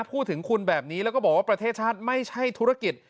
พูดถึงคุณแบบนี้แล้วก็บอกว่าประเทศชาติไม่ใช่ธุรกิจ